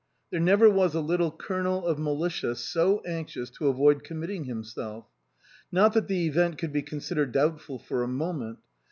There never was a little Colonel of militia so anxious to avoid commit ting himself. Not that the event could be con sidered doubtful for a moment.